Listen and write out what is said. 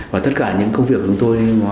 và tất cả những công việc của chúng tôi